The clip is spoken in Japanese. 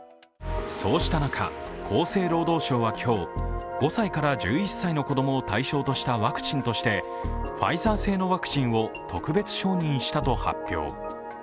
そうした中、厚生労働省は今日、５歳から１１歳の子供を対象としたワクチンとしてワクチンとしてファイザー製のワクチンを特別承認したと発表。